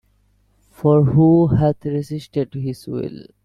For who hath resisted His will?